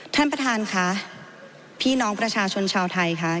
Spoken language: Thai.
ท่านประธานค่ะพี่น้องประชาชนชาวไทยค่ะ